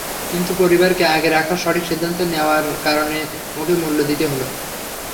কিন্তু পরিবারকে আগে রাখার সঠিক সিদ্ধান্ত নেওয়ার কারণে ওকে মূল্য দিতে হলো।